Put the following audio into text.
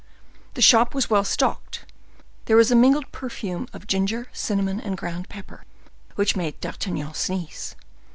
The shop was well stocked; there was a mingled perfume of ginger, cinnamon, and ground pepper, which made D'Artagnan sneeze.